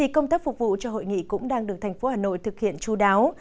công tác phục vụ cho hội nghị cũng đang được thành phố hà nội thực hiện chú đáo